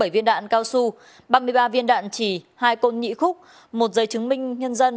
bảy viên đạn cao su ba mươi ba viên đạn trì hai côn nhị khúc một giấy chứng minh nhân dân